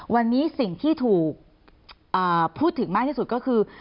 วันนี้สิ่งที่ถูกพูดถึงมากที่สุดก็คือ